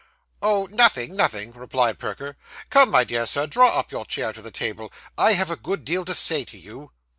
'Oh, nothing, nothing,' replied Perker. 'Come, my dear Sir, draw up your chair to the table. I have a good deal to say to you.